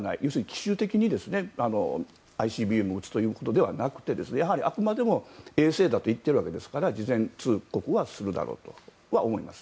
奇襲的にＩＣＢＭを打つということではなくて衛星だと言っているわけですから事前通告するだろうと思います。